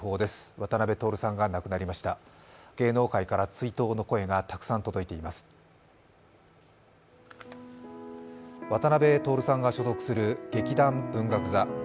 渡辺徹さんが所属する劇団文学座。